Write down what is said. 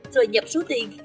rồi nhập số tiền